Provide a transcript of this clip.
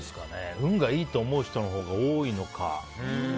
運がいいと思う人のほうが多いのか。